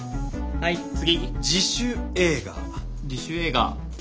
はい次。